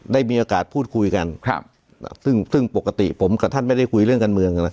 ได้มีโอกาสพูดคุยกันซึ่งซึ่งปกติผมกับท่านไม่ได้คุยเรื่องการเมืองนะ